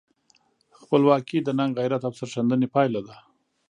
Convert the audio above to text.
خپلواکي د ننګ، غیرت او سرښندنې پایله ده.